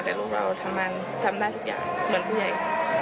แต่ลูกเราทำได้ทุกอย่างเหมือนผู้ใหญ่